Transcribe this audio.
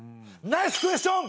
ナイスクエスション！